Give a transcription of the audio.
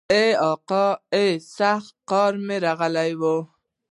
ای اکا ای سخت قار مې راغلی و.